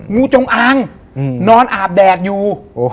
งูจงอางนอนอาบแดดอยู่